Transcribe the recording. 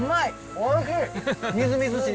おいしい。